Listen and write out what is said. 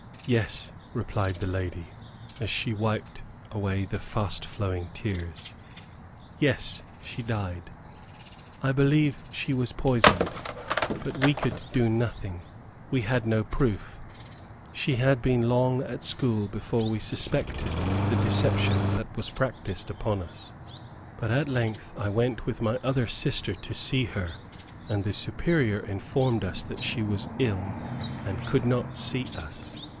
"Yes," replied the lady, as she wiped away the fast flowing tears; "Yes, she died. I believe she was poisoned, but we could do nothing; we had no proof." She had been long at school before we suspected the deception that was practised upon us. But at length I went with my other sister to see her, and the Superior informed us that she was ill, and could not see us.